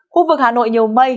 khu vực hà nội nhiều mây